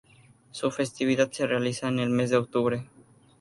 Su festividad se realiza en el mes de octubre.